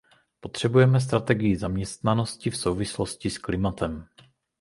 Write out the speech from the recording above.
Potřebujeme strategii zaměstnanosti v souvislosti s klimatem.